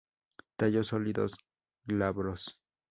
Tallos sólidos, glabros.